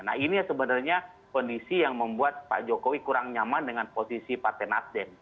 nah ini sebenarnya kondisi yang membuat pak jokowi kurang nyaman dengan posisi partai nasdem